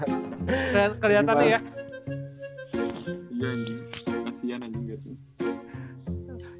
ya anjing kasian anjingnya tuh